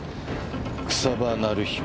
「草葉成彦」。